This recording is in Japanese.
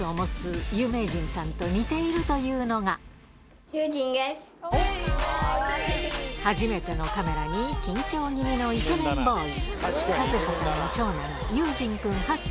そんな初めてのカメラに緊張気味のイケメンボーイ